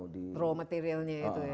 di raw materialnya itu ya